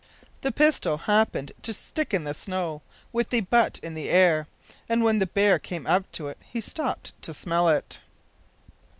The pistol happened to stick in the snow, with the butt in the air, and when the bear came up to it he stopped to smell it!